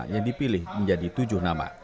yang dipilih menjadi tujuh nama